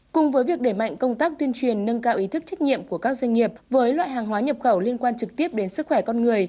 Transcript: cùng với việc để mạnh công tác tuyên truyền nâng cao ý thức trách nhiệm của các doanh nghiệp với loại hàng hóa nhập khẩu liên quan trực tiếp đến sức khỏe con người